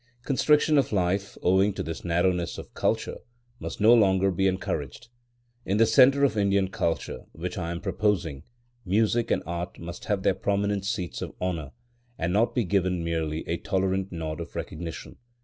Constriction of life, owing to this narrowness of culture, must no longer be encouraged. In the centre of Indian culture which I am proposing, music and art must have their prominent seats of honour, and not be given merely a tolerant nod of recognition.